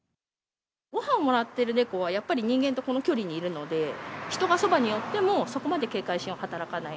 ごはんもらってる猫は、やっぱり人間とこの距離にいるので、人がそばによっても、そこまで警戒心は働かない。